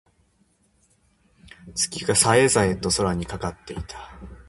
月が冴え冴えと空にかかっていた。